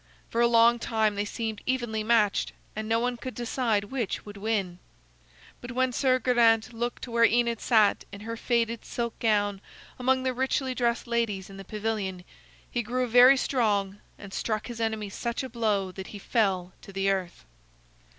For a long time they seemed evenly matched, and no one could decide which would win. But when Sir Geraint looked to where Enid sat in her faded silk gown among the richly dressed ladies in the pavilion, he grew very strong and struck his enemy such a blow that he fell to the earth.